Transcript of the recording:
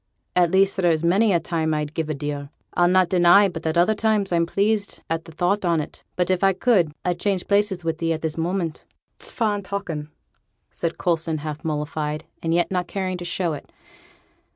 At least, there is many a time I'd give a deal. I'll not deny but at other times I'm pleased at the thought on't. But, if I could I'd change places wi' thee at this moment.' 'It's fine talking,' said Coulson, half mollified, and yet not caring to show it.